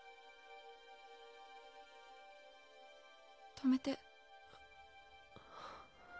止めて。